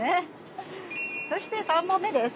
そして３問目です。